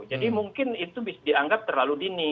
jadi mungkin itu dianggap terlalu dini